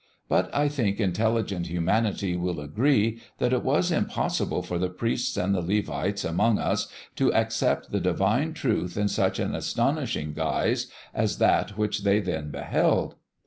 But I think intelligent humanity will agree that it was impossible for the priests and Levites among us to accept the divine truth in such an astonishing guise as that which they then beheld.